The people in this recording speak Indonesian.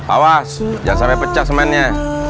awas jangan sampai pecah semennya